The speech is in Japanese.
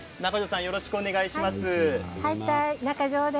よろしくお願いします。